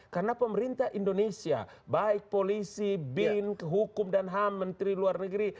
karena pemerintah indonesia baik polisi bin hukum dan ham menteri luar negeri